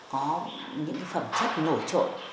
có những phẩm chất nổi trội